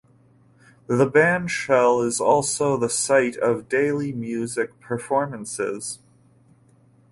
The Bandshell is also the site of daily music performances.